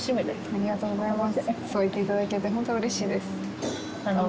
ありがとうございます。